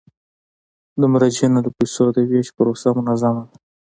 د مراجعینو د پيسو د ویش پروسه منظمه ده.